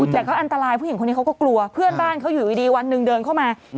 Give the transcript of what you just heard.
แต่ก็อันตรายผู้หญิงคนนี้เขาก็กลัวเพื่อนบ้านเขาอยู่ดีวันหนึ่งเดินเข้ามา